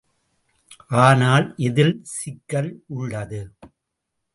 ஆனால் இதில் சிக்கல் உள்ளது.